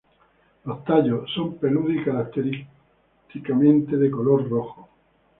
Los tallos son peludos y característicamente de color rojo.